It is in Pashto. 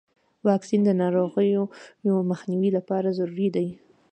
واکسین د ناروغیو مخنیوي لپاره ضروري دی.